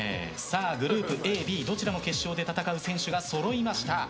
グループＡ、Ｂどちらも決勝で戦う選手がそろいました。